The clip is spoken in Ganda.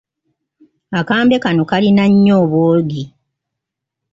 Akambe kano kalina nnyo obwogi.